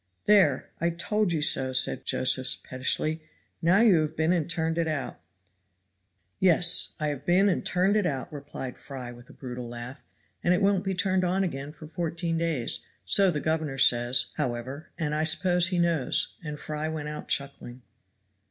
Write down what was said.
"There, I told you so," said Josephs pettishly, "now you have been and turned it out." "Yes, I have been and turned it out," replied Fry with a brutal laugh, "and it won't be turned on again for fourteen days, so the governor says, however, and I suppose he knows," and Fry went out chuckling.